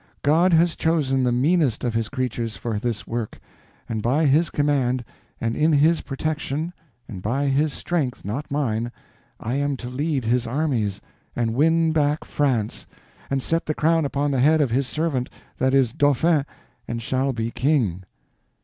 God has chosen the meanest of His creatures for this work; and by His command, and in His protection, and by His strength, not mine, I am to lead His armies, and win back France, and set the crown upon the head of His servant that is Dauphin and shall be King."